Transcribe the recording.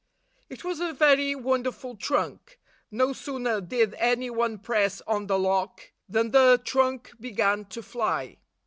It was a very wonderful trunk; no sooner did any one press on the lock than the trunk began to fly.